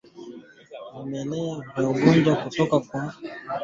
Vimelea vya ugonjwa kutoka kwa mnyama mwenye maambukizi